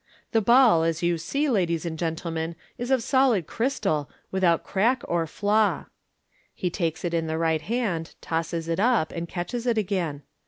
"The ball, a* you see, ladies and gentlemen, is of solid crystal, without crad* or flaw *' (he takes it in the right hand, tosses it up, and catches it s*«;ain).